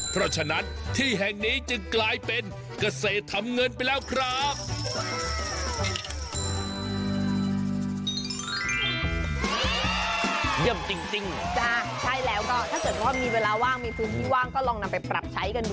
เพราะฉะนั้นที่แห่งนี้จึงกลายเป็นเกษตรทำเงินไปแล้วครับ